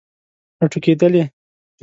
راټوکیدلې